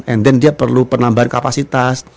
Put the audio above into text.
and then dia perlu penambahan kapasitas